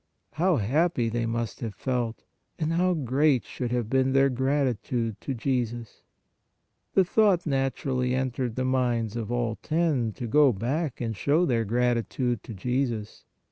How happy they must have felt, and how great should have been their gratitude to Jesus ! The thought naturally entered the minds of all ten to go back and show their gratitude to Jesus.